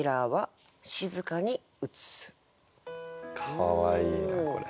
かわいいなこれ。